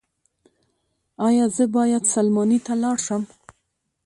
ایا زه باید سلماني ته لاړ شم؟